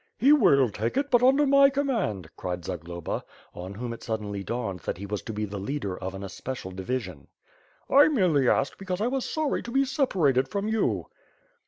"He will take it, but under my command," cried Zagloba, on whom it suddenly dawned that he was to be leader of an especial division. "I merely asked because I was sorry to be separated from you."